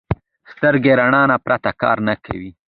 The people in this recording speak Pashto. سترګې د رڼا نه پرته کار نه کوي